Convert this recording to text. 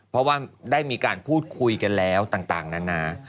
เพราะว่าได้มีการพูดคุยกันแล้วต่างนานา